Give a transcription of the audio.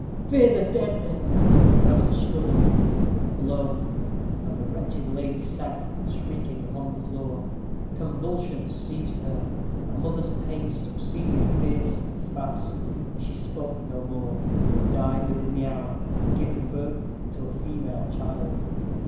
"Fear the dead, then." There was a struggle a blow and the wretched lady sank, shrieking, upon the floor. Convulsions seized her. A mother's pains succeeded fierce and fast. She spoke no more, but died within the hour, giving birth to a female child.